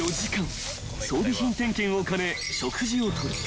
［装備品点検を兼ね食事を取る］